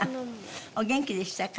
お元気でしたか？